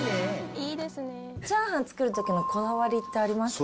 チャーハン作るときのこだわりってありますか？